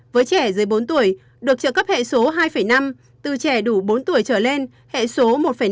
với trẻ dưới bốn tuổi được trợ cấp hệ số hai năm từ trẻ đủ bốn tuổi trở lên hệ số một năm